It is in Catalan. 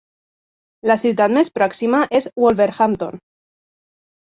La ciutat més pròxima és Wolverhampton.